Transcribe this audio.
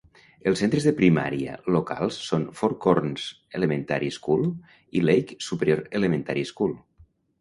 Els centres de primària locals són Four Corners Elementary School i Lake Superior Elementary School.